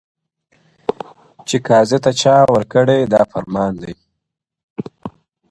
چي قاضي ته چا ورکړئ دا فرمان دی,